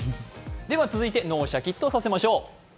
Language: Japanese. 続いて、脳をシャキッとさせましょう！